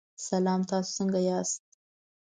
سلام، تاسو څنګه یاست؟